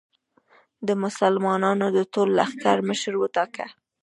د مسلمانانو د ټول لښکر مشر وټاکه.